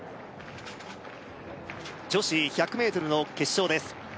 女子１００ｍの決勝です